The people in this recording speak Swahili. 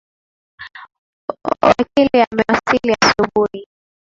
Wakili amewasili asubuhi.